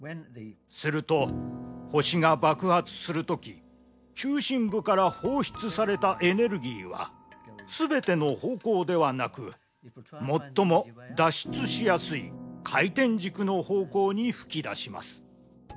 すると星が爆発するとき中心部から放出されたエネルギーはすべての方向ではなく最も脱出しやすい回転軸の方向に噴き出します。